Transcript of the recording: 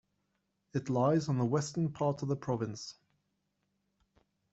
It lies on the western part of the province.